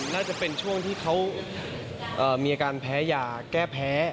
น่าจะเป็นช่วงที่เขามีอาการแพ้ยาแก้แพ้